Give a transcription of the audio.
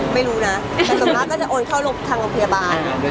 ไม่รู้นะสิฟะที่สมมติจะเอาประโยชน์ของการโรงพยาบาล